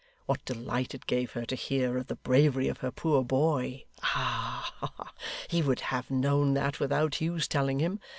What delight it gave her to hear of the bravery of her poor boy! Ah! He would have known that, without Hugh's telling him.